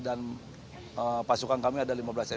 dan pasukan kami ada lima belas ssk disana